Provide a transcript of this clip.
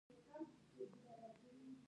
دوی دوې یا درې ورځې د ځان لپاره کار کوي